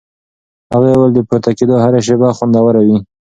هغې وویل د پورته کېدو هره شېبه خوندوره وه.